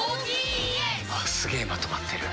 すげえまとまってる。